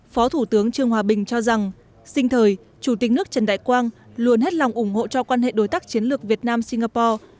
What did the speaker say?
phó thủ tướng trương hòa bình cho rằng sinh thời chủ tịch nước trần đại quang luôn hết lòng ủng hộ cho quan hệ đối tác chiến lược việt nam singapore